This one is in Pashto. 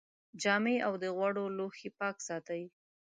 جامې او د خوړو لوښي پاک ساتئ.